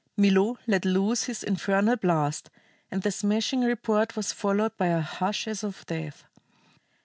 Milo let loose his infernal blast, and the smashing report was followed by a hush as of death.